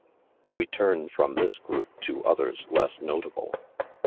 We turn from this group to others less notable.